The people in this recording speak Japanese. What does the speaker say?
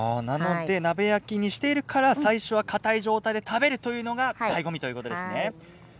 鍋焼きにしているから最初はかたい状態で食べるのがだいご味ということですね。